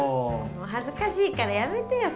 もう恥ずかしいからやめてよ